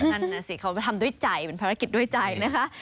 นั่นน่ะสิเขาทำด้วยใจเป็นภารกิจด้วยใจนะคะ